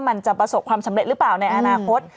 มันจะประสบความสำเร็จหรือเปล่าในอนาคต